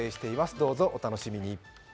どうぞお楽しみに。